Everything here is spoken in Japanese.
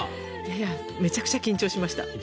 めちゃくちゃ緊張しました。